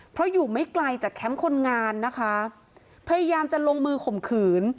เพราะอยู่ไม่ไกลจากแคมป์คนงานนะคะพยายามจะลงมือข่มขืน